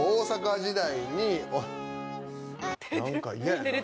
何か嫌やな。